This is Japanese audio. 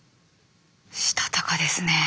したたかですね。